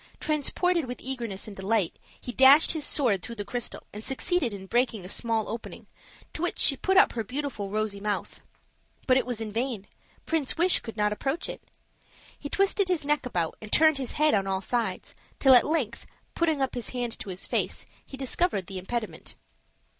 Transported with eagerness and delight, he dashed his sword through the crystal and succeeded in breaking a small opening, to which she put up her beautiful rosy mouth. But it was in vain; Prince Wish could not approach it. He twisted his neck about, and turned his head on all sides, till at length, putting up his hand to his face, he discovered the impediment.